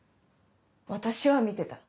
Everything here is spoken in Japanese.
私は見てた。